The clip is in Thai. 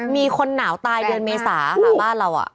มีคนหนาวตายเวลาเมษาหาบ้านเรา